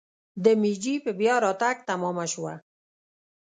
د میجي په بیا راتګ تمامه شوه.